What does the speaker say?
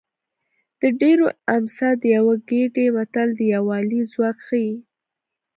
د ډېرو امسا د یوه ګېډۍ متل د یووالي ځواک ښيي